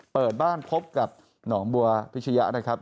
เปิดบ้านพบกับหนองบัวพิชยะนะครับ